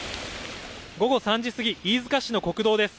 午後３時すぎ、飯塚市の国道です。